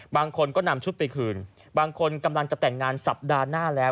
บางคนก็นำชุดไปคืนบางคนกำลังจะแต่งงานสัปดาห์หน้าแล้ว